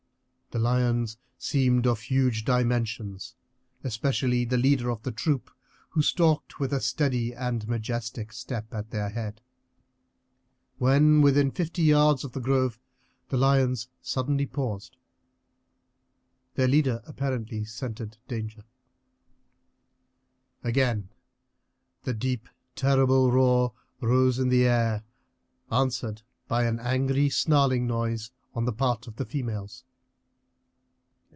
The lions seemed of huge dimensions, especially the leader of the troop, who stalked with a steady and majestic step at their head. When within fifty yards of the grove the lions suddenly paused; their leader apparently scented danger. Again the deep terrible roar rose in the air, answered by an angry snarling noise on the part of the females.